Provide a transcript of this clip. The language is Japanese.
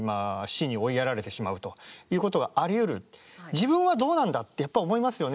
自分はどうなんだ？ってやっぱ思いますよね。